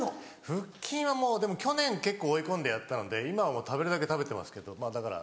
腹筋はもうでも去年結構追い込んでやったので今はもう食べるだけ食べてますけどまぁだから。